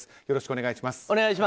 よろしくお願いします。